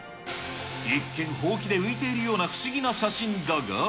一見、ほうきで浮いているような不思議な写真だが。